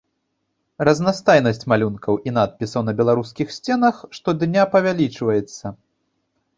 Разнастайнасць малюнкаў і надпісаў на беларускіх сценах штодня павялічваецца.